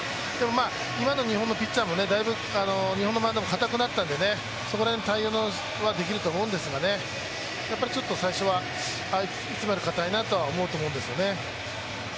今の日本のピッチャーも、だいぶ日本のマウンドもかたくなったので、そこら辺対応はできると思うんですが、やっぱりちょっと最初はいつもよりかたいなとは思うんですよね。